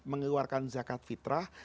mengeluarkan zakat fitrah